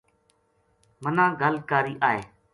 منا گل کاری آئے ‘‘